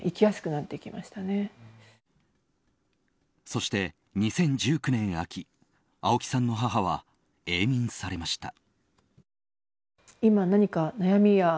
そして、２０１９年秋青木さんの母は永眠されました。